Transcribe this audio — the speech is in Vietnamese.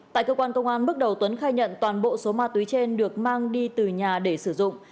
tại cơ quan công an bước đầu tuấn khai nhận toàn bộ số ma túy trên được mang đi từ nhà để sử dụng